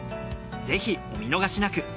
ぜひお見逃しなく。